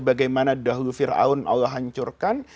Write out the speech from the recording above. bagaimana dahulu fir'aun allah hancurkan